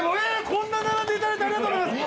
こんなに並んで頂いてありがとうございます！